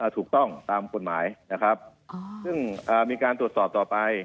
ถูกต้องตามกฎหมายนะครับซึ่งมีการตรวจสอบต่อไป